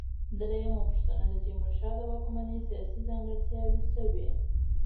درېمه پوښتنه: د تیمورشاه د واکمنۍ سیاسي ځانګړتیا څه وه؟